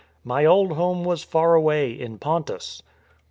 My old home was far away in Pontus."